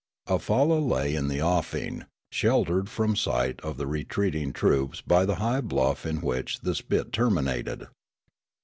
A falla lay in the offing, sheltered from sight of the retreating troops by the high bluff in which the spit terminated.